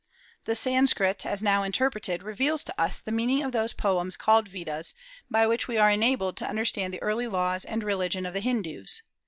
The Sanskrit, as now interpreted, reveals to us the meaning of those poems called Vedas, by which we are enabled to understand the early laws and religion of the Hindus.